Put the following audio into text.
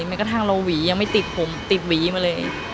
แม้กระทั่งเราหวียังไม่ติดผมติดหวีมาเลย